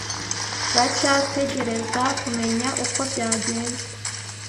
Turacyagerageza kumenya uko byagenze.